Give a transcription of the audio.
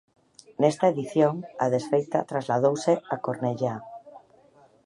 Nesta edición a desfeita trasladouse a Cornellá.